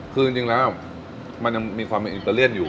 คือจริงแล้วมันยังมีความเป็นอิตาเลียนอยู่